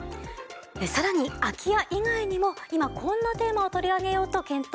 更に空き家以外にも今こんなテーマを取り上げようと検討しています。